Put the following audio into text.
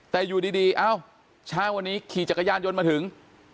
แต่อยู่ดีเอ้าเช้าวันนี้ขี่จักรยานยนต์มาถึง